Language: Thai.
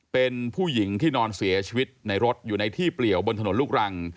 เป็นผู้หญิงที่นอนเสียชีวิตในรถอยู่ในที่เปลี่ยวบนถนนลูกรัง